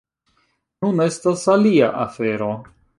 Nun estas alia afero.